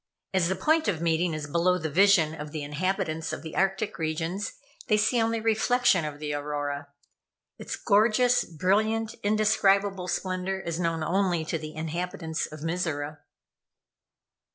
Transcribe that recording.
As the point of meeting is below the vision of the inhabitants of the Arctic regions, they see only the reflection of the Aurora. Its gorgeous, brilliant, indescribable splendor is known only to the inhabitants of Mizora.